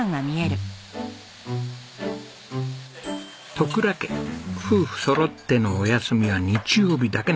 十倉家夫婦そろってのお休みは日曜日だけなんです。